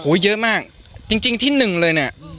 โอ้โหเยอะมากจริงที่๑เลยเนี่ย